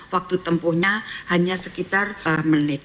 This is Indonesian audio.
waktu tempuhnya hanya sekitar menit